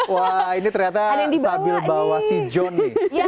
wah ini ternyata sambil bawa si john nih